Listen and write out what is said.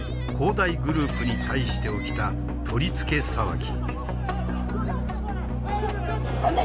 大グループに対して起きた取り付け騒ぎ。